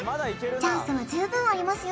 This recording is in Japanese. チャンスは十分ありますよ